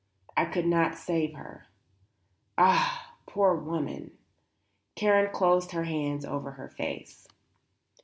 I could not save her. Ah poor woman!" Karen closed her hands over her face.